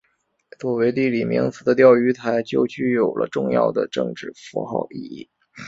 作为地理名词的钓鱼台就具有了重要的政治符号意义。